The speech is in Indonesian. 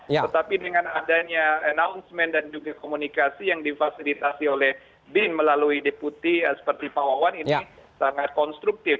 tetapi dengan adanya announcement dan juga komunikasi yang difasilitasi oleh bin melalui deputi seperti pak wawan ini sangat konstruktif